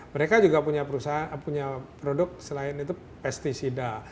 mereka juga punya produk selain itu pesticida